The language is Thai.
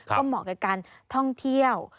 ก็เหมาะกับการท่องเที่ยว